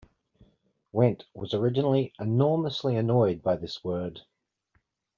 Went was originally enormously annoyed by this word.